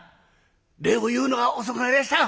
礼を言うのが遅くなりました！